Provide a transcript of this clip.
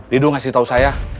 lidu kasih tau saya